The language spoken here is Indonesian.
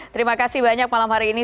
terima kasih banyak malam hari ini